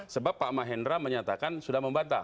sebab pak mahendra menyatakan sudah membatah